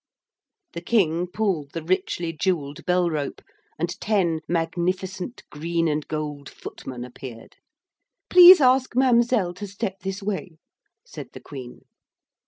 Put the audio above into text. The King pulled the richly jewelled bell rope and ten magnificent green and gold footmen appeared. 'Please ask Mademoiselle to step this way,' said the Queen.